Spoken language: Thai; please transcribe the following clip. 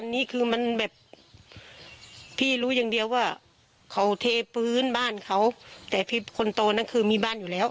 นี่ก็เลยว่ารู้แค่นี้นะ